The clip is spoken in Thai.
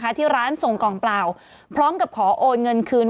ที่ร้านส่งกล่องเปล่าพร้อมกับขอโอนเงินคืน